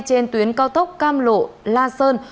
trên tuyến cao tốc cam lộ la sơn